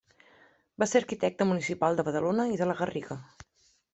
Va ser arquitecte municipal de Badalona i de la Garriga.